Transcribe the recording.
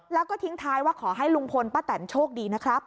แล้วก็ทิ้งท้ายว่าขอให้ลุงพลป้าแตนโชคดีนะครับ